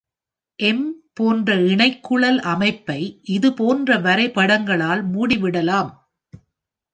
``M’’ போன்ற இணைகுழல் அமைப்பை இதுபோன்ற வரைபடங்களால் மூடிவிடலாம்.